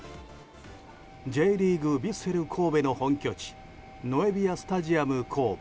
Ｊリーグヴィッセル神戸の本拠地ノエビアスタジアム神戸。